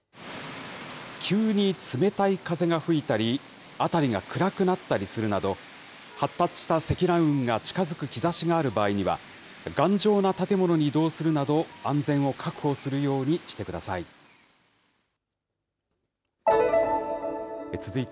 急に冷たい風が吹いたり、辺りが暗くなったりするなど、発達した積乱雲が近づく兆しがある場合には、頑丈な建物に移動するなど、安全を確保するようにしてください。